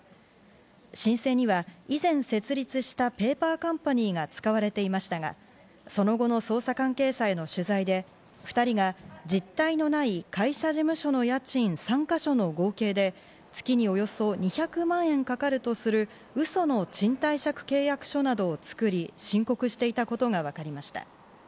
申請には以前設立したペーパーカンパニーが使われていましたが、その後の捜査関係者への取材で２人が実体のない会社事務所の家賃３か所の合計で月におよそ２００万円かかるとする嘘の賃貸借契約書などを作り申告していたことがわかりました。